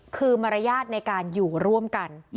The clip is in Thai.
คือมารยาทในการอยู่ร่วมกัน